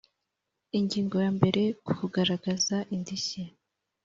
Ingingo ya mbere Kugaragaza indishyi